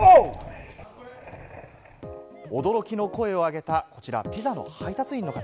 驚きの声をあげたこちらのピザの配達員の方。